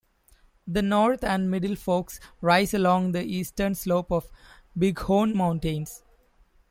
The North and Middle forks rise along the eastern slope of the Bighorn Mountains.